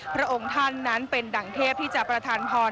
พระองค์ท่านนั้นเป็นดังเทพที่จะประธานพร